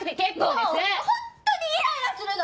もうホントにイライラするの！